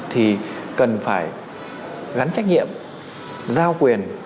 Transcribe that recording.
thì cần phải gắn trách nhiệm giao quyền